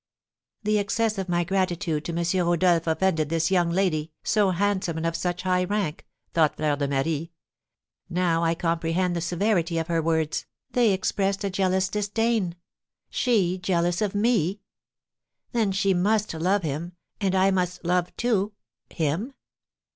"The excess of my gratitude to M. Rodolph offended this young lady, so handsome and of such high rank," thought Fleur de Marie; "now I comprehend the severity of her words, they expressed a jealous disdain. She jealous of me! Then she must love him, and I must love, too him?